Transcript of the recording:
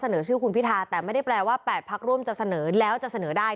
เสนอชื่อคุณพิธาแต่ไม่ได้แปลว่า๘พักร่วมจะเสนอแล้วจะเสนอได้